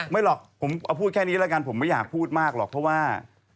ไม่หรอกผมเอาพูดแค่นี้แล้วกันผมไม่อยากพูดมากหรอกเพราะว่า